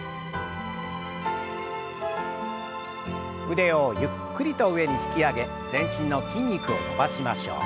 腕をゆっくりと上に引き上げ全身の筋肉を伸ばしましょう。